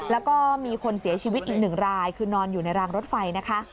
แล้วก็มีคนเสียชีวิตอีกหนึ่งรายคือนอนอยู่ในรางรถไฟนะคะ